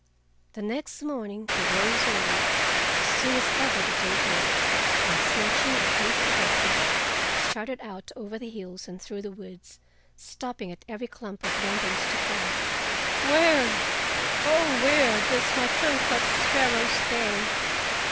The next morning he rose early, as soon as ever the day broke, and snatching a hasty breakfast, started out over the hills and through the woods, stopping at every clump of bamboos to cry: "Where, oh where does my tongue cut sparrow stay?